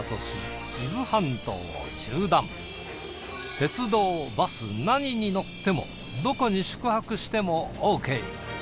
鉄道バス何に乗ってもどこに宿泊してもＯＫ。